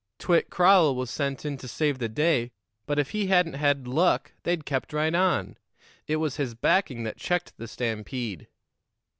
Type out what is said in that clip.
Twitt Crowell was sent in to save the day, but if he hadn't had luck, they'd kept right on. It was his backing that checked the stampede."